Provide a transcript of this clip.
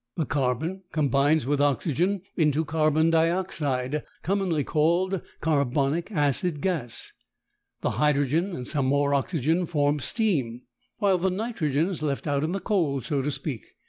The carbon combines with oxygen into carbon dioxide, commonly called carbonic acid gas, the hydrogen and some more oxygen form steam, while the nitrogen is left out in the cold, so to speak.